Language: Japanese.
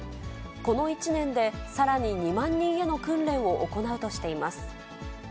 この１年でさらに２万人への訓練を行うとしています。